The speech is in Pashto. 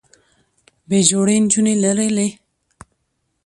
بې جوړې نجونې لرلې